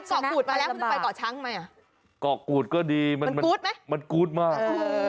ต้องเป็นสายแอดเบิ้ลเชิงนิดนึงคุณชาย